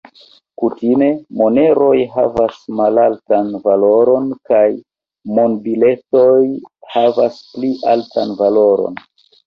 Kutime, moneroj havas malaltan valoron kaj monbiletoj havas pli altan valoron.